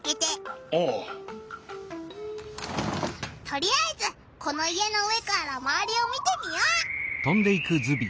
とりあえずこの家の上からまわりを見てみよう！